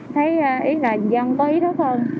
thấy ý là dân có ý thức hơn